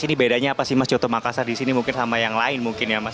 sebenarnya apa sih mas yotob makassar disini mungkin sama yang lain mungkin ya mas